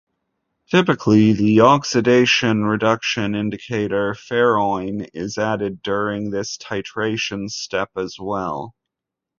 Typically, the oxidation-reduction indicator ferroin is added during this titration step as well.